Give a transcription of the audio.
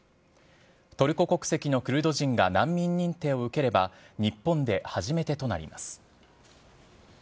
トルコ国籍のクルド人が難民認定を受ければ、日本で初めてとなります。